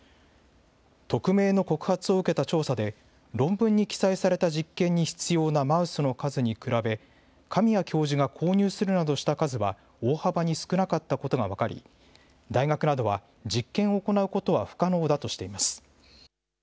匿名の告発を受けた調査で、論文に記載された実験に必要なマウスの数に比べ、神谷教授が購入するなどした数は、大幅に少なかったことが分かり、大学などは実験を行うことは不可能だとしています。